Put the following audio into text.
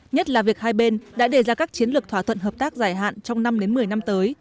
nhất là việc hai bên đã đề ra các chiến lược thỏa thuận hợp tác dài hạn trong năm đến một mươi năm tới